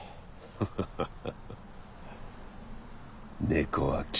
ハハハハ。